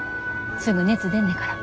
すぐ熱出んねから。